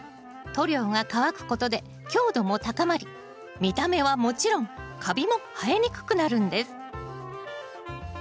塗料が乾くことで強度も高まり見た目はもちろんカビも生えにくくなるんです。